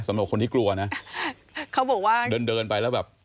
สำหรับคนที่กลัวนะเขาบอกว่าเดินเดินไปแล้วแบบ